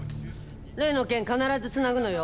例の件必ずつなぐのよ。